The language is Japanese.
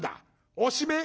おしめえ？